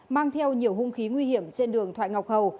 mang theo nhiều hung khí nguy hiểm trên đường thoại ngọc hầu